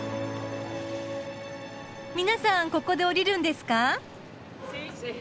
皆さんここで降りるんですか？